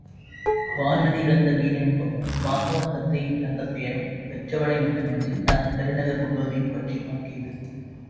வான்மதி இழந்த மீனினம் போல, வாசவதத்தை இல்லாத துயரம் பெற்றவளை மட்டுமன்று, அந்தப் பெருநகர் முழுவதையும் பற்றி வாட்டியது.